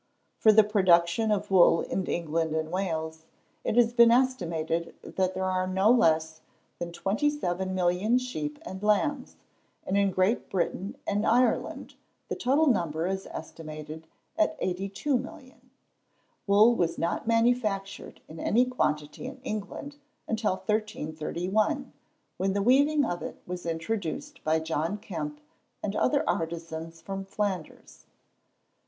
For the production of wool in England and Wales it has been estimated that there are no less than 27,000,000 sheep and lambs; and, in Great Britain and Ireland, the total number is estimated at 82,000,000. Wool was not manufactured in any quantity in England until 1331, when the weaving of it was introduced by John Kempe and other artizans from Flanders.